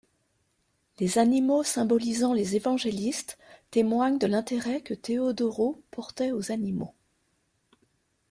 Les animaux symbolisant les évangélistes témoignent de l'intérêt que Teodoro portait aux animaux.